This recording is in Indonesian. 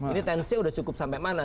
ini tensinya sudah cukup sampai mana